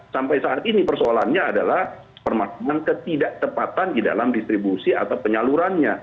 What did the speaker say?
sampai saat ini persoalannya adalah permasalahan ketidaktepatan di dalam distribusi atau penyalurannya